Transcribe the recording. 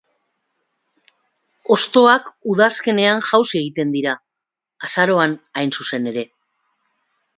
Hostoak udazkenean jausi egiten dira, azaroan hain zuzen ere.